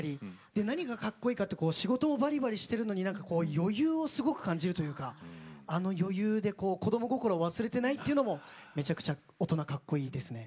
で何がかっこいいかっていうと仕事もばりばりしてるのに余裕をすごく感じるというかあの余裕で子ども心忘れてないというのもめちゃくちゃ大人かっこいいですね。